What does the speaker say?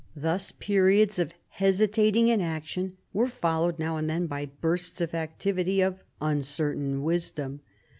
Thus periods of hesitating inaction were followed now and then by bursts of activity of uncertain wisdom.